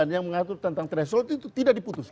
yang mengatur tentang threshold itu tidak diputus